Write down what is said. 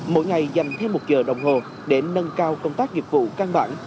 mỗi ngày dành thêm một giờ đồng hồ để nâng cao công tác nghiệp vụ căn bản